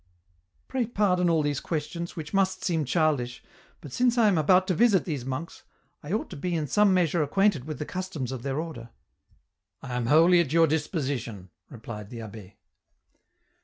" Pray pardon all these questions, which must seem childish, but since I am about to visit these monks, I ought to be in some measure acquainted with the customs of their order." " I am wholly at your disposition," replied the ahh6.